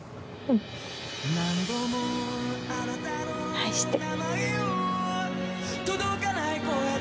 愛してる。